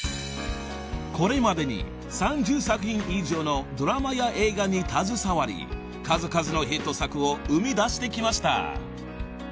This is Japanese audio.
［これまでに３０作品以上のドラマや映画に携わり数々のヒット作を生みだしてきました］